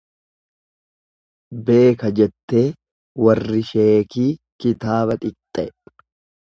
Beeka jettee warri sheekii kitaaba dhiqxe.